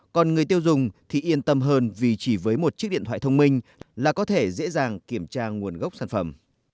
còn người tiêu dùng thì yên tâm hơn vì chỉ với một chiếc điện thoại thông minh là có thể dễ dàng kiểm tra nguồn gốc sản phẩm